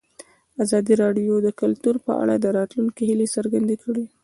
ازادي راډیو د کلتور په اړه د راتلونکي هیلې څرګندې کړې.